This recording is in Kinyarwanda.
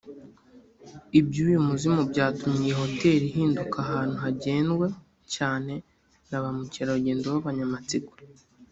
Iby’uyu muzimu byatumye iyi hotel ihinduka ahantu hagendwa cyane na ba mukerarugendo b’abanyamatsiko